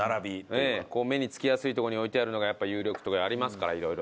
ええ目につきやすいとこに置いてあるのがやっぱ有力とかありますから色々。